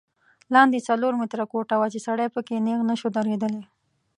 لاندې څلور متره کوټه وه چې سړی په کې نیغ نه شو درېدلی.